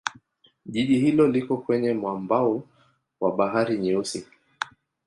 Jiji hilo liko kwenye mwambao wa Bahari Nyeusi.